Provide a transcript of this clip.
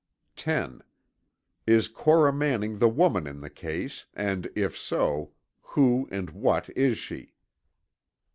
(10) Is Cora Manning the woman in the case and if so, who and what is she?